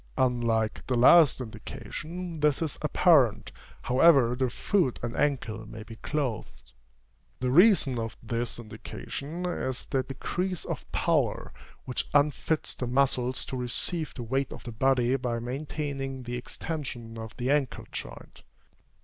Unlike the last indication, this is apparent, however the foot and ankle may be clothed. The reason of this indication is the decrease of power which unfits the muscles to receive the weight of the body by maintaining the extension of the ankle joint.